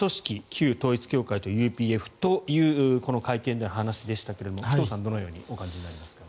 旧統一教会とＵＰＦというこの会見での話でしたが紀藤さん、どのようにお感じになりますか？